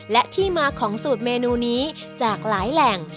และที่มาของสูตรเมนูนี้จากหลายแหล่ง